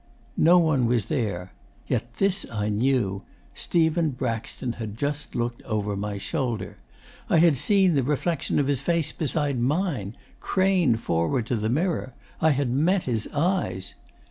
'No one was there. Yet this I knew: Stephen Braxton had just looked over my shoulder. I had seen the reflection of his face beside mine craned forward to the mirror. I had met his eyes.